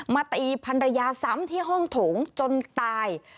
มาตีพันธุระยาสำที่ห้องถงจนตาย